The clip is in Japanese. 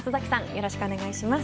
よろしくお願いします。